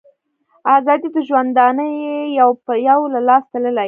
آزادۍ د ژوندانه یې یو په یو له لاسه تللي